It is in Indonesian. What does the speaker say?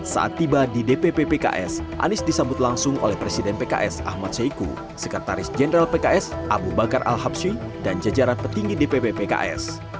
saat tiba di dpp pks anies disambut langsung oleh presiden pks ahmad saiku sekretaris jenderal pks abu bakar al habsyi dan jajaran petinggi dpp pks